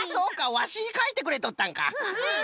ワシかいてくれとったんか。